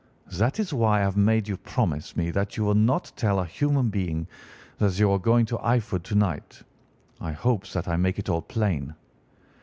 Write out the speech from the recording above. That is why I have made you promise me that you will not tell a human being that you are going to Eyford to night. I hope that I make it all plain?